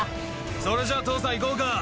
それじゃ、父さん、いこうか。